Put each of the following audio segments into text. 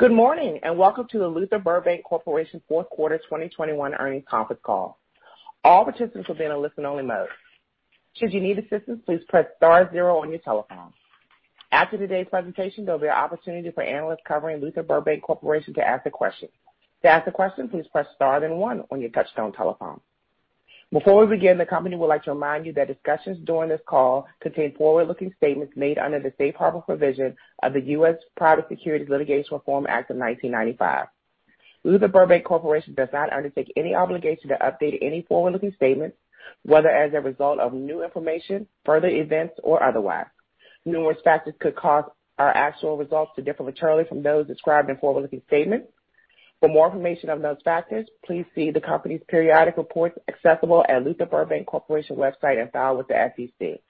Good morning, and welcome to the Luther Burbank Corporation fourth quarter 2021 earnings conference call. All participants will be in a listen-only mode. Should you need assistance, please press star zero on your telephone. After today's presentation, there'll be an opportunity for analysts covering Luther Burbank Corporation to ask a question. To ask a question, please press star, then one on your touchtone telephone. Before we begin, the company would like to remind you that discussions during this call contain forward-looking statements made under the safe harbor provision of the U.S. Private Securities Litigation Reform Act of 1995. Luther Burbank Corporation does not undertake any obligation to update any forward-looking statements, whether as a result of new information, further events, or otherwise. Numerous factors could cause our actual results to differ materially from those described in forward-looking statements. For more information on those factors, please see the company's periodic reports accessible at Luther Burbank Corporation website and filed with the SEC.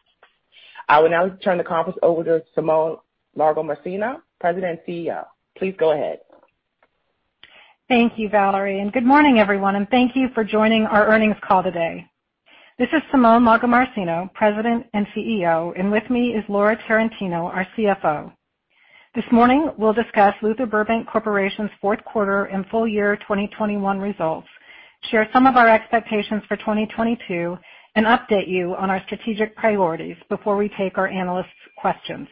I will now turn the conference over to Simone Lagomarsino, President and CEO. Please go ahead. Thank you, Valerie, and good morning, everyone, and thank you for joining our earnings call today. This is Simone Lagomarsino, President and CEO, and with me is Laura Tarantino, our CFO. This morning, we'll discuss Luther Burbank Corporation's fourth quarter and full year 2021 results, share some of our expectations for 2022, and update you on our strategic priorities before we take our analysts' questions.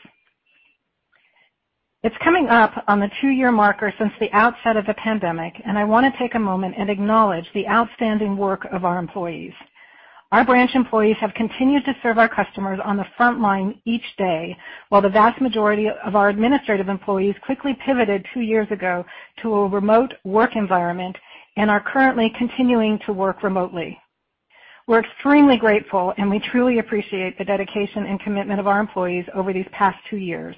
It's coming up on the two-year marker since the outset of the pandemic, and I wanna take a moment and acknowledge the outstanding work of our employees. Our branch employees have continued to serve our customers on the front line each day, while the vast majority of our administrative employees quickly pivoted two years ago to a remote work environment and are currently continuing to work remotely. We're extremely grateful, and we truly appreciate the dedication and commitment of our employees over these past 2 years.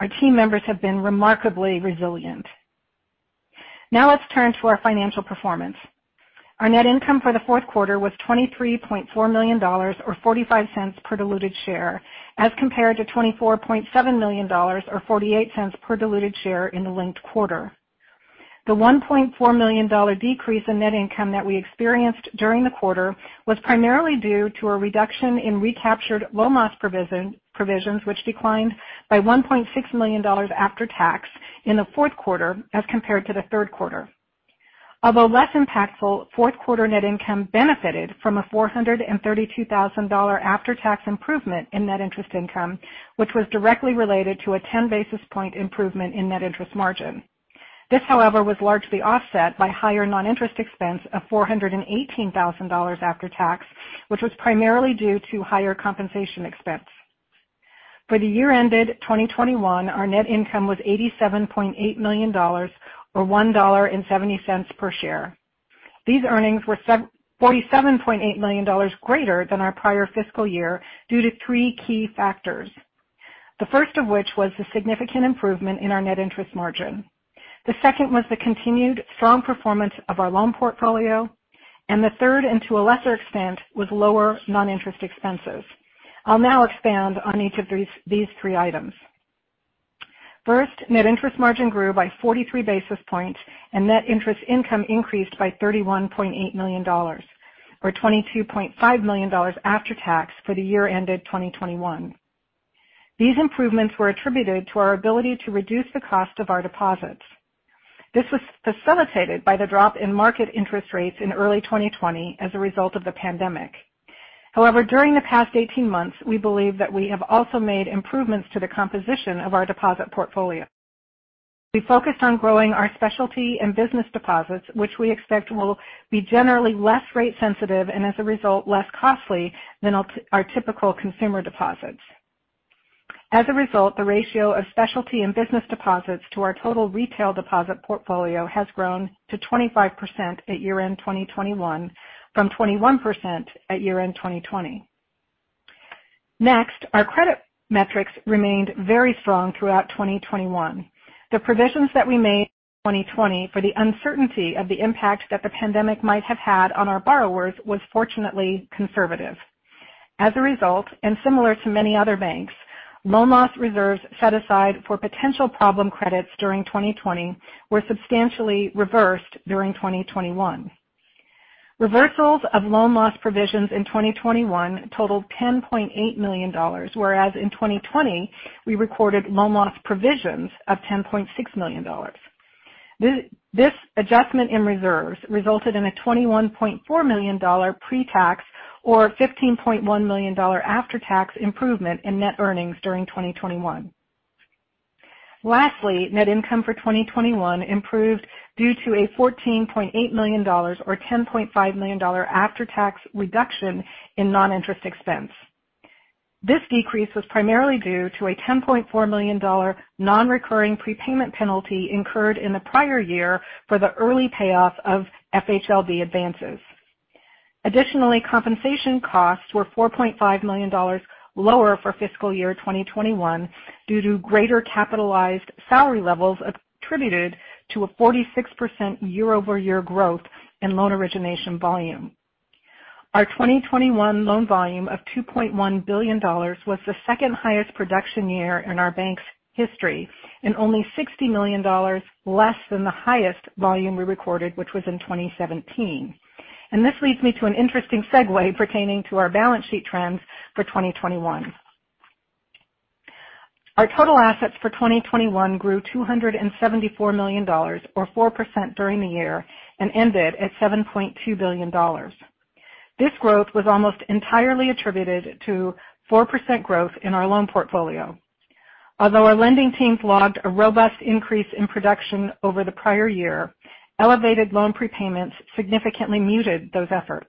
Our team members have been remarkably resilient. Now let's turn to our financial performance. Our net income for the fourth quarter was $23.4 million or $0.45 per diluted share, as compared to $24.7 million or $0.48 per diluted share in the linked quarter. The $1.4 million dollar decrease in net income that we experienced during the quarter was primarily due to a reduction in recaptured loan loss provisions, which declined by $1.6 million after tax in the fourth quarter as compared to the third quarter. Although less impactful, fourth quarter net income benefited from a $432,000 after-tax improvement in net interest income, which was directly related to a 10 basis point improvement in net interest margin. This, however, was largely offset by higher non-interest expense of $418,000 after tax, which was primarily due to higher compensation expense. For the year ended 2021, our net income was $87.8 million or $1.70 per share. These earnings were $47.8 million greater than our prior fiscal year due to three key factors, the first of which was the significant improvement in our net interest margin. The second was the continued strong performance of our loan portfolio, and the third, and to a lesser extent, was lower non-interest expenses. I'll now expand on each of these three items. First, net interest margin grew by 43 basis points, and net interest income increased by $31.8 million or $22.5 million after tax for the year ended 2021. These improvements were attributed to our ability to reduce the cost of our deposits. This was facilitated by the drop in market interest rates in early 2020 as a result of the pandemic. However, during the past 18 months, we believe that we have also made improvements to the composition of our deposit portfolio. We focused on growing our specialty and business deposits, which we expect will be generally less rate sensitive and, as a result, less costly than our typical consumer deposits. As a result, the ratio of specialty and business deposits to our total retail deposit portfolio has grown to 25% at year-end 2021 from 21% at year-end 2020. Next, our credit metrics remained very strong throughout 2021. The provisions that we made in 2020 for the uncertainty of the impact that the pandemic might have had on our borrowers was fortunately conservative. As a result, and similar to many other banks, loan loss reserves set aside for potential problem credits during 2020 were substantially reversed during 2021. Reversals of loan loss provisions in 2021 totaled $10.8 million, whereas in 2020, we recorded loan loss provisions of $10.6 million. This adjustment in reserves resulted in a $21.4 million pre-tax or $15.1 million after-tax improvement in net earnings during 2021. Lastly, net income for 2021 improved due to a $14.8 million or $10.5 million after-tax reduction in non-interest expense. This decrease was primarily due to a $10.4 million non-recurring prepayment penalty incurred in the prior year for the early payoff of FHLB advances. Additionally, compensation costs were $4.5 million lower for fiscal year 2021 due to greater capitalized salary levels attributed to a 46% year-over-year growth in loan origination volume. Our 2021 loan volume of $2.1 billion was the second highest production year in our bank's history and only $60 million less than the highest volume we recorded, which was in 2017. This leads me to an interesting segue pertaining to our balance sheet trends for 2021. Our total assets for 2021 grew $274 million or 4% during the year and ended at $7.2 billion. This growth was almost entirely attributed to 4% growth in our loan portfolio. Although our lending teams logged a robust increase in production over the prior year, elevated loan prepayments significantly muted those efforts.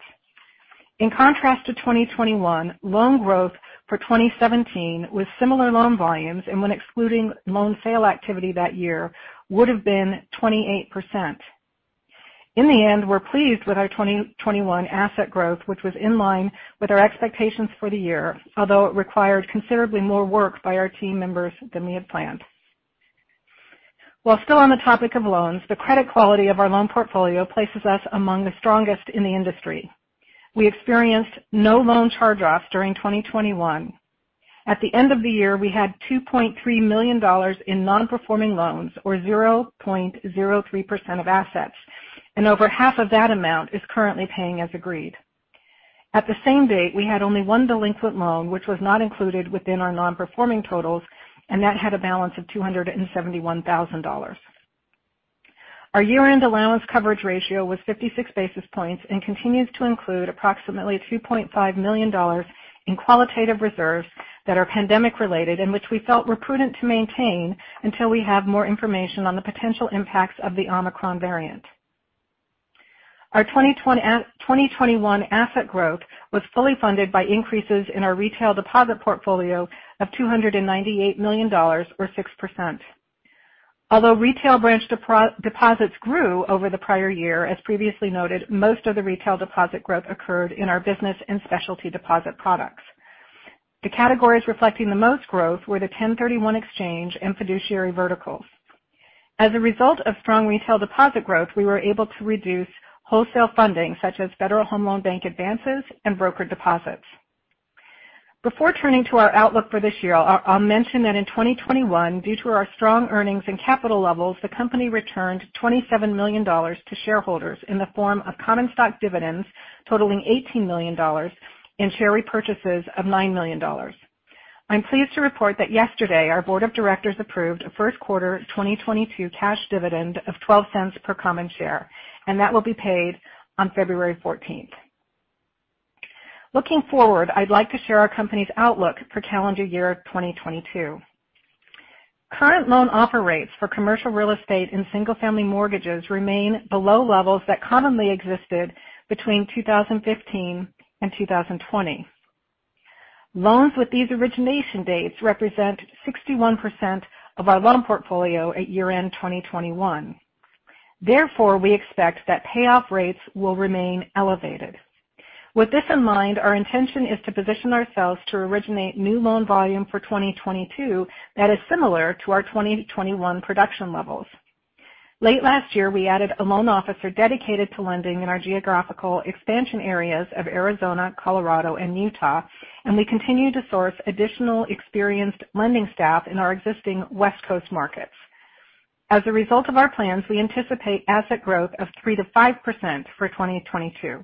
In contrast to 2021, loan growth for 2017 with similar loan volumes and when excluding loan sale activity that year would have been 28%. In the end, we're pleased with our 2021 asset growth, which was in line with our expectations for the year, although it required considerably more work by our team members than we had planned. While still on the topic of loans, the credit quality of our loan portfolio places us among the strongest in the industry. We experienced no loan charge-offs during 2021. At the end of the year, we had $2.3 million in non-performing loans, or 0.03% of assets, and over half of that amount is currently paying as agreed. At the same date, we had only one delinquent loan, which was not included within our non-performing totals, and that had a balance of $271,000. Our year-end allowance coverage ratio was 56 basis points and continues to include approximately $2.5 million in qualitative reserves that are pandemic-related and which we felt were prudent to maintain until we have more information on the potential impacts of the Omicron variant. Our 2021 asset growth was fully funded by increases in our retail deposit portfolio of $298 million or 6%. Although retail branch deposits grew over the prior year, as previously noted, most of the retail deposit growth occurred in our business and specialty deposit products. The categories reflecting the most growth were the 1031 exchange and fiduciary verticals. As a result of strong retail deposit growth, we were able to reduce wholesale funding such as Federal Home Loan Bank advances and broker deposits. Before turning to our outlook for this year, I'll mention that in 2021, due to our strong earnings and capital levels, the company returned $27 million to shareholders in the form of common stock dividends totaling $18 million and share repurchases of $9 million. I'm pleased to report that yesterday, our board of directors approved a first quarter 2022 cash dividend of $0.12 per common share, and that will be paid on February 14. Looking forward, I'd like to share our company's outlook for calendar year 2022. Current loan offer rates for commercial real estate and single-family mortgages remain below levels that commonly existed between 2015 and 2020. Loans with these origination dates represent 61% of our loan portfolio at year-end 2021. Therefore, we expect that payoff rates will remain elevated. With this in mind, our intention is to position ourselves to originate new loan volume for 2022 that is similar to our 2021 production levels. Late last year, we added a loan officer dedicated to lending in our geographical expansion areas of Arizona, Colorado, and Utah, and we continue to source additional experienced lending staff in our existing West Coast markets. As a result of our plans, we anticipate asset growth of 3%-5% for 2022.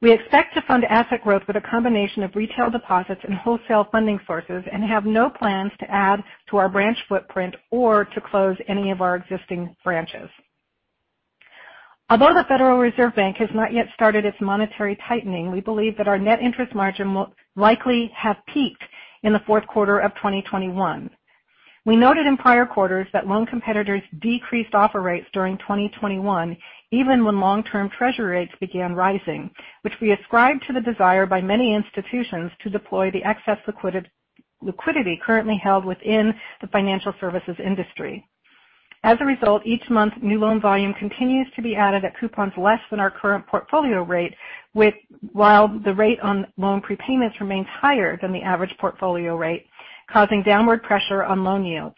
We expect to fund asset growth with a combination of retail deposits and wholesale funding sources and have no plans to add to our branch footprint or to close any of our existing branches. Although the Federal Reserve has not yet started its monetary tightening, we believe that our net interest margin will likely have peaked in the fourth quarter of 2021. We noted in prior quarters that loan competitors decreased offer rates during 2021, even when long-term Treasury rates began rising, which we ascribed to the desire by many institutions to deploy the excess liquidity currently held within the financial services industry. As a result, each month, new loan volume continues to be added at coupons less than our current portfolio rate, while the rate on loan prepayments remains higher than the average portfolio rate, causing downward pressure on loan yields.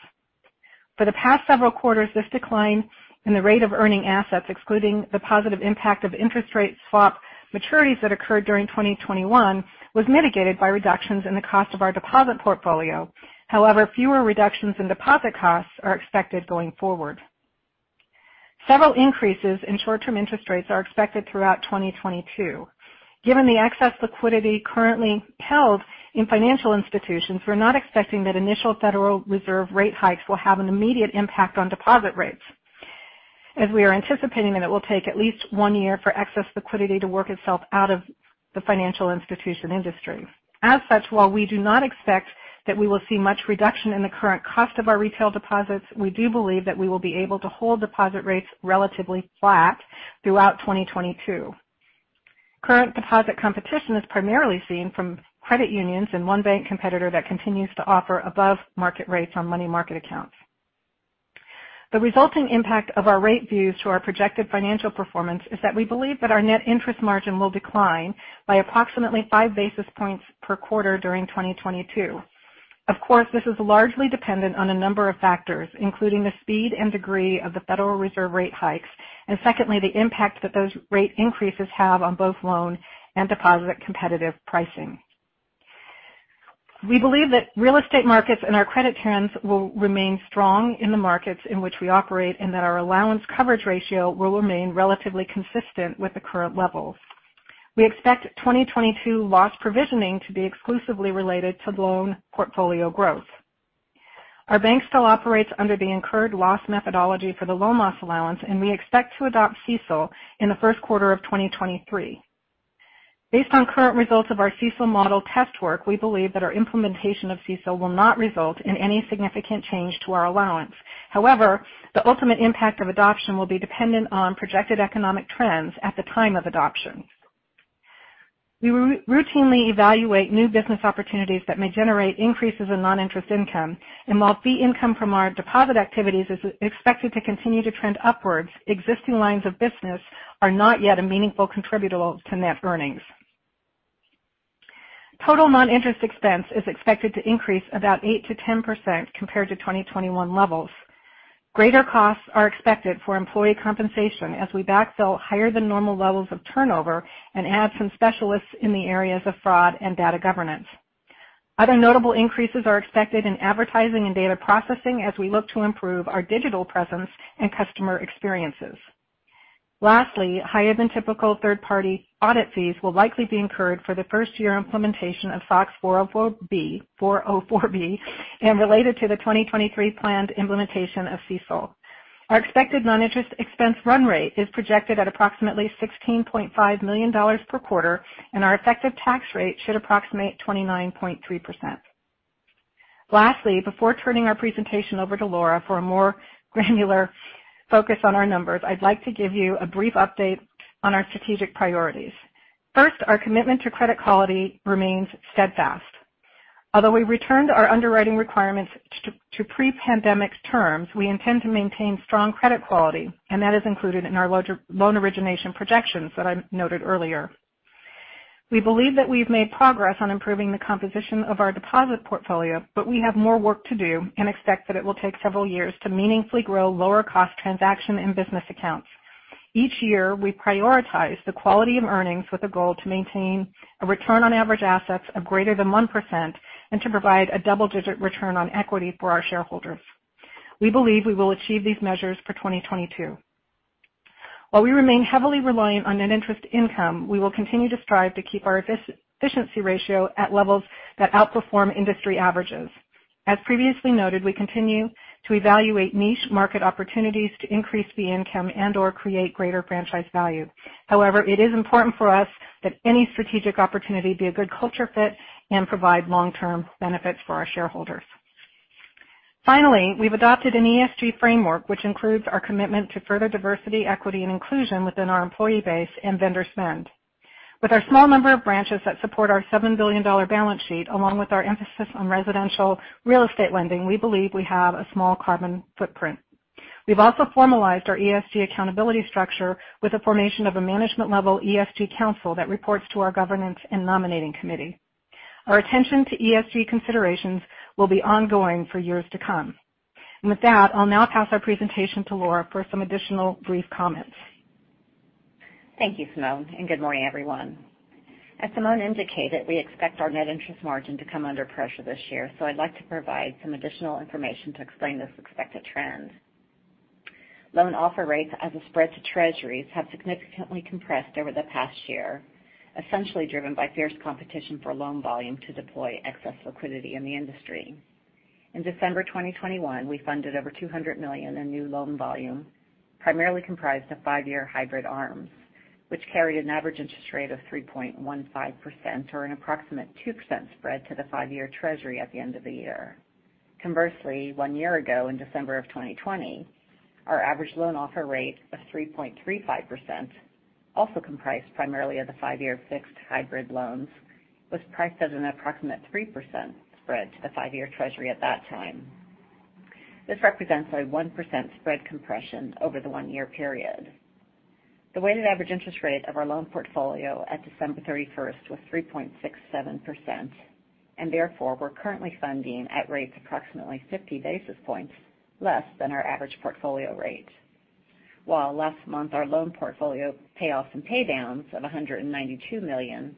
For the past several quarters, this decline in the rate of earning assets, excluding the positive impact of interest rate swap maturities that occurred during 2021, was mitigated by reductions in the cost of our deposit portfolio. However, fewer reductions in deposit costs are expected going forward. Several increases in short-term interest rates are expected throughout 2022. Given the excess liquidity currently held in financial institutions, we're not expecting that initial Federal Reserve rate hikes will have an immediate impact on deposit rates, as we are anticipating that it will take at least one year for excess liquidity to work itself out of the financial institution industry. As such, while we do not expect that we will see much reduction in the current cost of our retail deposits, we do believe that we will be able to hold deposit rates relatively flat throughout 2022. Current deposit competition is primarily seen from credit unions and one bank competitor that continues to offer above-market rates on money market accounts. The resulting impact of our rate views to our projected financial performance is that we believe that our net interest margin will decline by approximately five basis points per quarter during 2022. Of course, this is largely dependent on a number of factors, including the speed and degree of the Federal Reserve rate hikes, and secondly, the impact that those rate increases have on both loan and deposit competitive pricing. We believe that real estate markets and our credit trends will remain strong in the markets in which we operate, and that our allowance coverage ratio will remain relatively consistent with the current levels. We expect 2022 loss provisioning to be exclusively related to loan portfolio growth. Our bank still operates under the incurred loss methodology for the loan loss allowance, and we expect to adopt CECL in the first quarter of 2023. Based on current results of our CECL model test work, we believe that our implementation of CECL will not result in any significant change to our allowance. However, the ultimate impact of adoption will be dependent on projected economic trends at the time of adoption. We routinely evaluate new business opportunities that may generate increases in non-interest income, and while fee income from our deposit activities is expected to continue to trend upwards, existing lines of business are not yet a meaningful contributor to net earnings. Total non-interest expense is expected to increase about 8%-10% compared to 2021 levels. Greater costs are expected for employee compensation as we backfill higher than normal levels of turnover and add some specialists in the areas of fraud and data governance. Other notable increases are expected in advertising and data processing as we look to improve our digital presence and customer experiences. Lastly, higher than typical third-party audit fees will likely be incurred for the first year implementation of SOX 404(b) and related to the 2023 planned implementation of CECL. Our expected non-interest expense run rate is projected at approximately $16.5 million per quarter, and our effective tax rate should approximate 29.3%. Lastly, before turning our presentation over to Laura for a more granular focus on our numbers, I'd like to give you a brief update on our strategic priorities. First, our commitment to credit quality remains steadfast. Although we returned our underwriting requirements to pre-pandemic terms, we intend to maintain strong credit quality, and that is included in our loan origination projections that I noted earlier. We believe that we've made progress on improving the composition of our deposit portfolio, but we have more work to do and expect that it will take several years to meaningfully grow lower cost transaction and business accounts. Each year, we prioritize the quality of earnings with a goal to maintain a return on average assets of greater than 1% and to provide a double-digit return on equity for our shareholders. We believe we will achieve these measures for 2022. While we remain heavily reliant on net interest income, we will continue to strive to keep our efficiency ratio at levels that outperform industry averages. As previously noted, we continue to evaluate niche market opportunities to increase fee income and/or create greater franchise value. However, it is important for us that any strategic opportunity be a good culture fit and provide long-term benefits for our shareholders. Finally, we've adopted an ESG framework which includes our commitment to further diversity, equity, and inclusion within our employee base and vendor spend. With our small number of branches that support our $7 billion balance sheet, along with our emphasis on residential real estate lending, we believe we have a small carbon footprint. We've also formalized our ESG accountability structure with the formation of a management level ESG council that reports to our Governance and Nominating Committee. Our attention to ESG considerations will be ongoing for years to come. With that, I'll now pass our presentation to Laura for some additional brief comments. Thank you, Simone, and good morning, everyone. As Simone indicated, we expect our net interest margin to come under pressure this year, so I'd like to provide some additional information to explain this expected trend. Loan offer rates as a spread to Treasuries have significantly compressed over the past year, essentially driven by fierce competition for loan volume to deploy excess liquidity in the industry. In December 2021, we funded over $200 million in new loan volume, primarily comprised of five-year hybrid ARMs, which carried an average interest rate of 3.15% or an approximate 2% spread to the five-year Treasury at the end of the year. Conversely, 1 year ago, in December 2020, our average loan offer rate of 3.35%, also comprised primarily of the 5-year fixed hybrid loans, was priced at an approximate 3% spread to the 5-year Treasury at that time. This represents a 1% spread compression over the 1-year period. The weighted average interest rate of our loan portfolio at December 31 was 3.67%, and therefore, we're currently funding at rates approximately 50 basis points less than our average portfolio rate. While last month our loan portfolio payoffs and paydowns of $192 million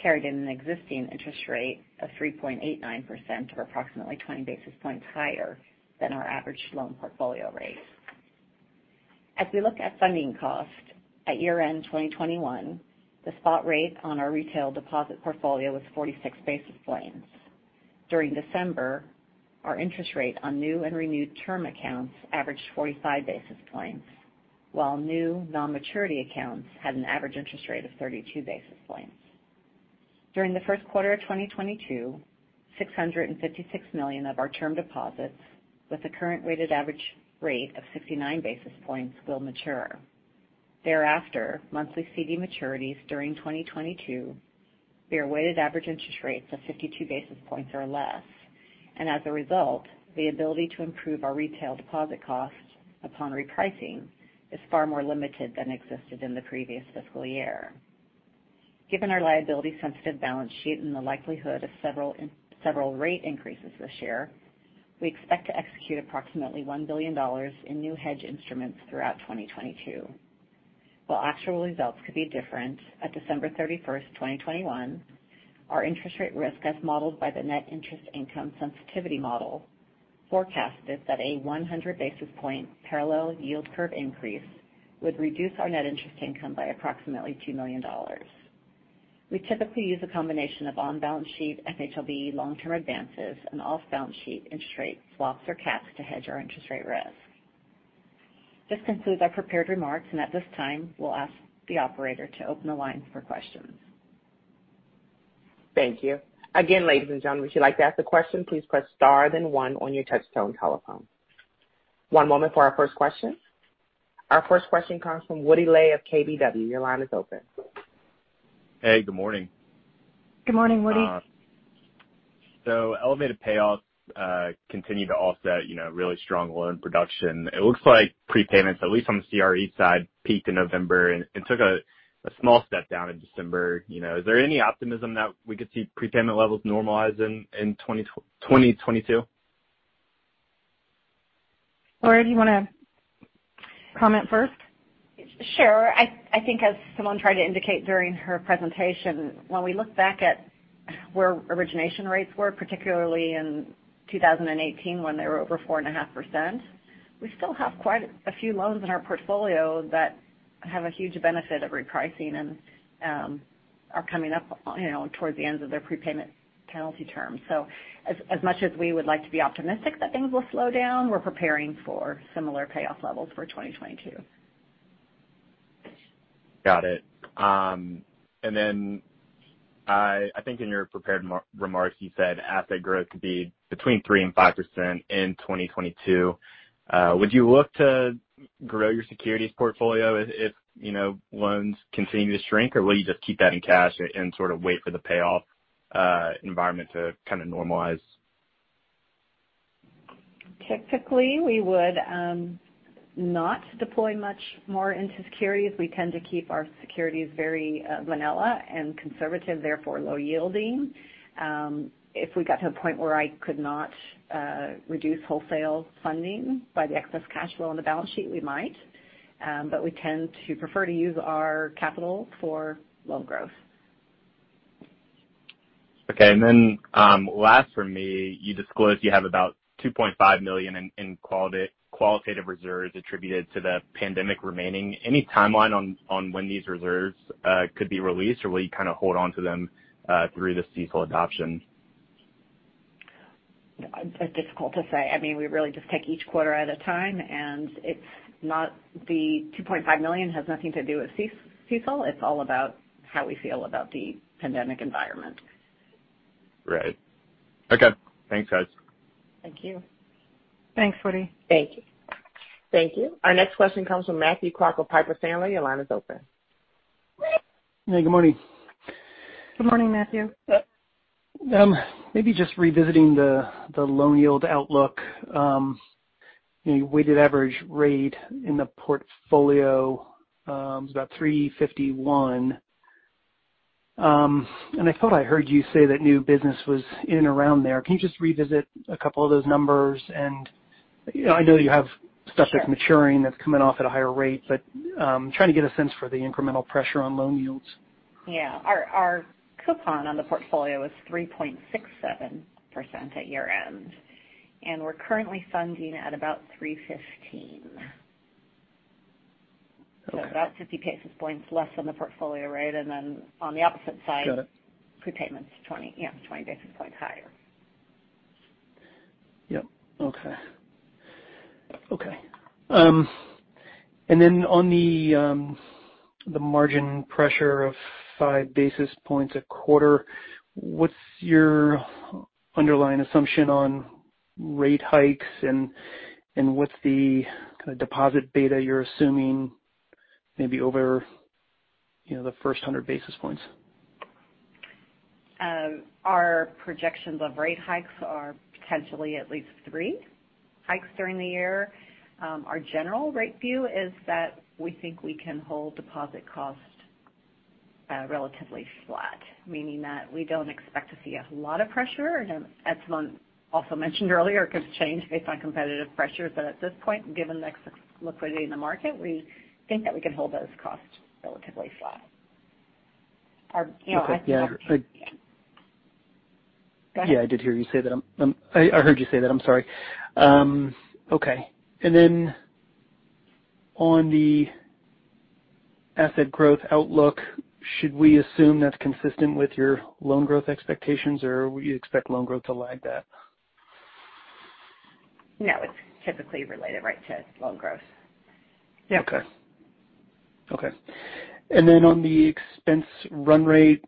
carried an existing interest rate of 3.89%, or approximately 20 basis points higher than our average loan portfolio rate. As we look at funding cost at year-end 2021, the spot rate on our retail deposit portfolio was 46 basis points. During December, our interest rate on new and renewed term accounts averaged 45 basis points, while new non-maturity accounts had an average interest rate of 32 basis points. During the first quarter of 2022, $656 million of our term deposits with a current weighted average rate of 69 basis points will mature. Thereafter, monthly CD maturities during 2022 bear weighted average interest rates of 52 basis points or less. As a result, the ability to improve our retail deposit cost upon repricing is far more limited than existed in the previous fiscal year. Given our liability-sensitive balance sheet and the likelihood of several rate increases this year, we expect to execute approximately $1 billion in new hedge instruments throughout 2022. While actual results could be different, at December 31st, 2021, our interest rate risk as modeled by the net interest income sensitivity model forecasted that a 100 basis points parallel yield curve increase would reduce our net interest income by approximately $2 million. We typically use a combination of on-balance sheet FHLB long-term advances and off-balance sheet interest rate swaps or caps to hedge our interest rate risk. This concludes our prepared remarks, and at this time, we'll ask the operator to open the line for questions. Thank you. Again, ladies and gentlemen, if you'd like to ask a question, please press star then one on your touchtone telephone. One moment for our first question. Our first question comes from Woody Lay of KBW. Your line is open. Hey, good morning. Good morning, Woody. Elevated payoffs continue to offset, you know, really strong loan production. It looks like prepayments, at least on the CRE side, peaked in November and took a small step down in December, you know. Is there any optimism that we could see prepayment levels normalize in 2022? Laura, do you wanna comment first? Sure. I think as Simone tried to indicate during her presentation, when we look back at where origination rates were, particularly in 2018 when they were over 4.5%, we still have quite a few loans in our portfolio that have a huge benefit of repricing and are coming up, you know, towards the end of their prepayment penalty term. As much as we would like to be optimistic that things will slow down, we're preparing for similar payoff levels for 2022. Got it. I think in your prepared remarks, you said asset growth could be between 3% and 5% in 2022. Would you look to grow your securities portfolio if, you know, loans continue to shrink, or will you just keep that in cash and sort of wait for the payoff environment to kinda normalize? Technically, we would not deploy much more into securities. We tend to keep our securities very vanilla and conservative, therefore low yielding. If we got to a point where I could not reduce wholesale funding by the excess cash flow on the balance sheet, we might. We tend to prefer to use our capital for loan growth. Okay. Last for me. You disclosed you have about $2.5 million in qualitative reserves attributed to the pandemic remaining. Any timeline on when these reserves could be released, or will you kinda hold on to them through the CECL adoption? It's difficult to say. I mean, we really just take each quarter at a time, and it's not the $2.5 million has nothing to do with CECL. It's all about how we feel about the pandemic environment. Right. Okay. Thanks, guys. Thank you. Thanks, Woody. Thank you. Thank you. Our next question comes from Matthew Clark of Piper Sandler. Your line is open. Hey, good morning. Good morning, Matthew. Maybe just revisiting the loan yield outlook. The weighted average rate in the portfolio is about 3.51%. I thought I heard you say that new business was in and around there. Can you just revisit a couple of those numbers? You know, I know you have stuff that's maturing that's coming off at a higher rate, but trying to get a sense for the incremental pressure on loan yields. Yeah. Our coupon on the portfolio is 3.67% at year-end, and we're currently funding at about 3.15. Okay. about 50 basis points less than the portfolio rate. Then on the opposite side. Got it. Prepayments 20, yeah, 20 basis points higher. Yep. Okay. On the margin pressure of 5 basis points a quarter, what's your underlying assumption on rate hikes and what's the kinda deposit beta you're assuming maybe over, you know, the first 100 basis points? Our projections of rate hikes are potentially at least three hikes during the year. Our general rate view is that we think we can hold deposit costs relatively flat, meaning that we don't expect to see a lot of pressure, again as Simone also mentioned earlier, could change based on competitive pressures. At this point, given the excess liquidity in the market, we think that we can hold those costs relatively flat. Okay. Yeah. Go ahead. Yeah, I heard you say that. I'm sorry. Okay. On the asset growth outlook, should we assume that's consistent with your loan growth expectations, or will you expect loan growth to lag that? No, it's typically related right to loan growth. On the expense run rate,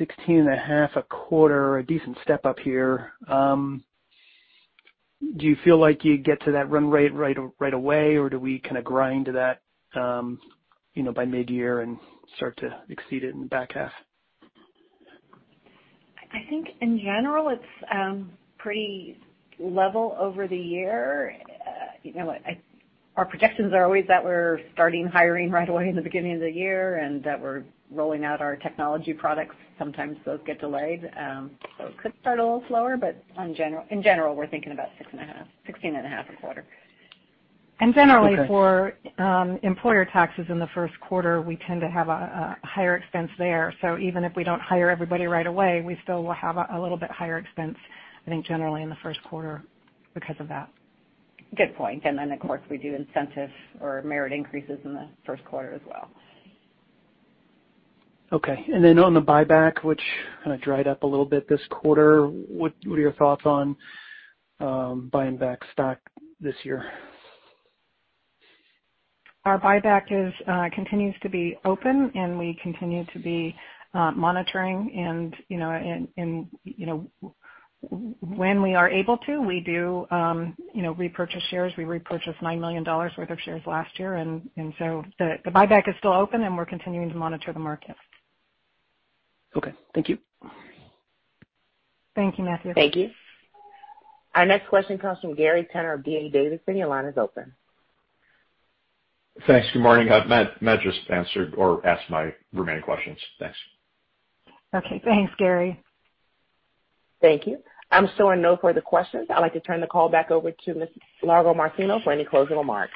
$16.5 a quarter, a decent step up here, do you feel like you get to that run rate right away or do we kinda grind to that, you know, by mid-year and start to exceed it in the back half? I think in general it's pretty level over the year. You know what? Our projections are always that we're starting hiring right away in the beginning of the year and that we're rolling out our technology products. Sometimes those get delayed. It could start a little slower, but in general, we're thinking about 6.5, 16.5 a quarter. Generally Okay. For employer taxes in the first quarter, we tend to have a higher expense there. Even if we don't hire everybody right away, we still will have a little bit higher expense, I think, generally in the first quarter because of that. Good point. Of course, we do incentive or merit increases in the first quarter as well. Okay. On the buyback, which kinda dried up a little bit this quarter, what are your thoughts on buying back stock this year? Our buyback continues to be open and we continue to be monitoring and you know and when we are able to we do you know repurchase shares. We repurchased $9 million worth of shares last year and so the buyback is still open and we're continuing to monitor the market. Okay. Thank you. Thank you, Matthew. Thank you. Our next question comes from Gary Tenner of D.A. Davidson. Your line is open. Thanks. Good morning. Matt just answered or asked my remaining questions. Thanks. Okay. Thanks, Gary. Thank you. I'm showing no further questions. I'd like to turn the call back over to Miss Lagomarsino for any closing remarks.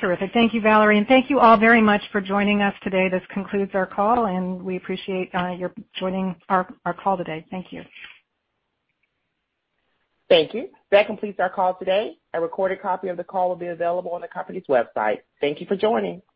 Terrific. Thank you, Valerie, and thank you all very much for joining us today. This concludes our call, and we appreciate your joining our call today. Thank you. Thank you. That completes our call today. A recorded copy of the call will be available on the company's website. Thank you for joining.